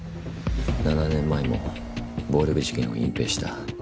７年前も暴力事件を隠蔽した。